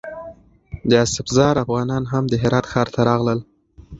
د اسفزار افغانان هم د هرات ښار ته راغلل.